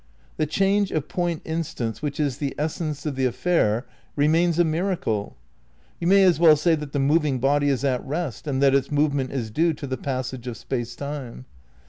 The change of point instants which is the essence of the affair remains a miracle. You may as well say that the moving body is at rest and that its movement is due to the passage of Space Time.